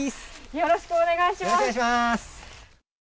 よろしくお願いします。